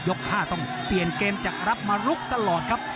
๕ต้องเปลี่ยนเกมจากรับมาลุกตลอดครับ